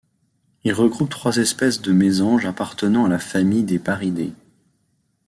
Il regroupe trois espèces de mésanges appartenant à la famille des Paridae.